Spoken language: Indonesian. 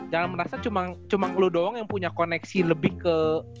jangan merasa cuma lu doang yang punya koneksi lebih ke